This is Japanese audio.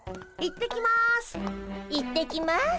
行ってきます。